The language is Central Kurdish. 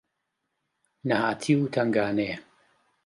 نەهاتی و تەنگانەیە